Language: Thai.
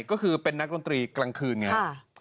ก็คือเป็นนักดนตรีกลางคืนไง